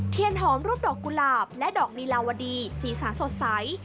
หอมรูปดอกกุหลาบและดอกลีลาวดีสีสารสดใส